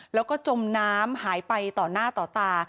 แล้วก็จมน้ำหายไปต่อหน้าต่อตา